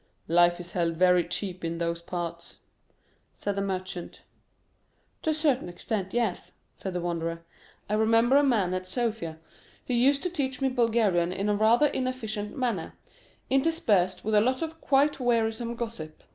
"Life is held very cheap in those parts," said the Merchant. "To a certain extent, yes," said the Wanderer. "I remember a man at Sofia who used to teach me Bulgarian in a rather inefficient manner, interspersed with a lot of quite wearisome gossip.